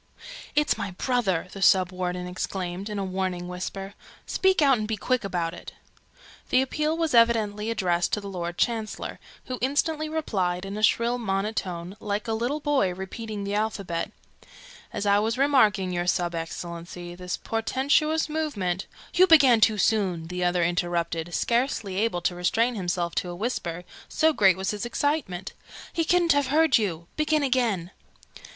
"It's my brother!" the Sub warden exclaimed, in a warning whisper. "Speak out, and be quick about it!" The appeal was evidently addressed to the Lord Chancellor, who instantly replied, in a shrill monotone, like a little boy repeating the alphabet, "As I was remarking, your Sub Excellency, this portentous movement " "You began too soon!" the other interrupted, scarcely able to restrain himself to a whisper, so great was his excitement. "He couldn't have heard you. Begin again!"